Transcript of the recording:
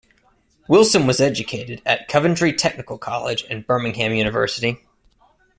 Wilson was educated at Coventry Technical College and Birmingham University.